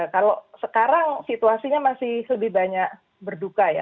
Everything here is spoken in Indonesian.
kalau sekarang situasinya masih lebih banyak berduka ya